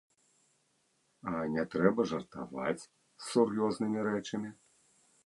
А не трэба жартаваць з сур'ёзнымі рэчамі.